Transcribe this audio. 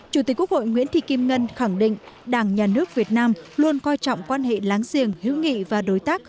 chủ tịch quốc hội nguyễn thị kim ngân khẳng định đảng nhà nước việt nam luôn coi trọng quan hệ láng giềng hữu nghị và đối tác